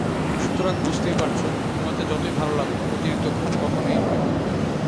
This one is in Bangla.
সুতরাং বুঝতেই পারছ, ঘুমাতে যতই ভালো লাগুক, অতিরিক্ত ঘুম কখনোই নয়।